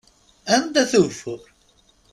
Anda-t ugeffur?